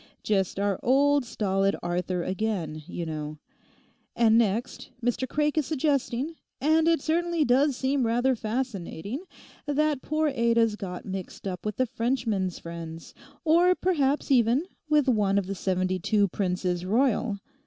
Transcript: Just our old stolid Arthur again, you know. And next Mr Craik is suggesting, and it certainly does seem rather fascinating, that poor Ada's got mixed up with the Frenchman's friends, or perhaps, even, with one of the seventy two Princes Royal.